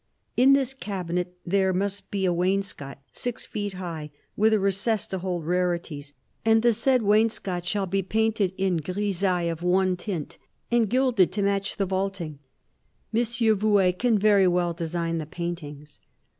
In this cabinet there must be a wainscot six feet high with a recess to hold rarities, and the said wainscot shall be painted in grisaille of one tint and gilded to match the vaulting. M. Vouet can very well design the paintings."